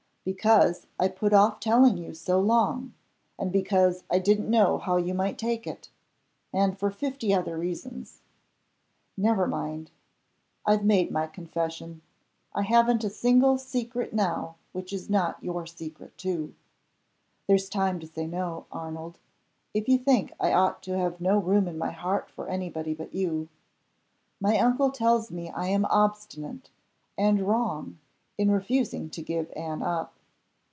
"Because I put off telling you so long; and because I didn't know how you might take it; and for fifty other reasons. Never mind! I've made my confession. I haven't a single secret now which is not your secret too. There's time to say No, Arnold, if you think I ought to have no room in my heart for any body but you. My uncle tells me I am obstinate and wrong in refusing to give Anne up.